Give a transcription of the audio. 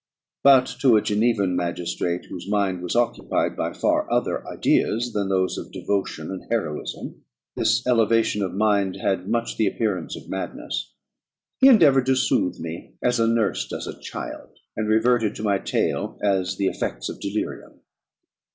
But to a Genevan magistrate, whose mind was occupied by far other ideas than those of devotion and heroism, this elevation of mind had much the appearance of madness. He endeavoured to soothe me as a nurse does a child, and reverted to my tale as the effects of delirium.